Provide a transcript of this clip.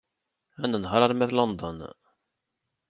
Ad nenheṛ arma d London.